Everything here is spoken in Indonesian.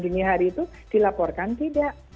dini hari itu dilaporkan tidak